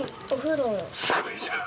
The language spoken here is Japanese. すごいじゃん！